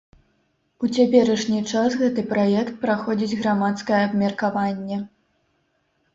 У цяперашні час гэты праект праходзіць грамадскае абмеркаванне.